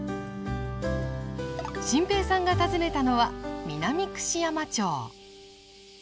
心平さんが訪ねたのは南串山町。